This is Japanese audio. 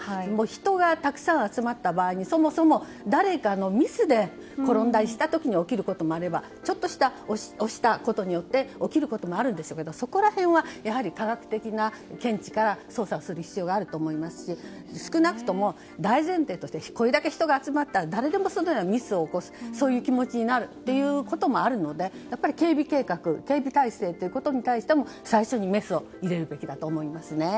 人がたくさん集まった場合にそもそも、誰かのミスで転んだりした時に起こることもあればちょっとした押したことによって起きることもあるんでしょうけどそこら辺はやはり科学的な見地から捜査をする必要があると思いますし少なくとも大前提ということでこれだけ人が集まったら誰でもそのようなミスをする恐れがあるのでやっぱり警備計画警備態勢についても最初にメスを入れるべきだと思いますね。